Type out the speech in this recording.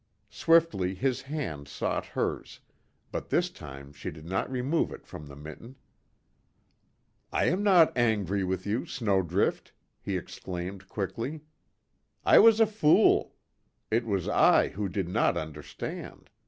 Swiftly his hand sought hers, but this time she did not remove it from the mitten. "I am not angry with you, Snowdrift!" he exclaimed, quickly, "I was a fool! It was I who did not understand.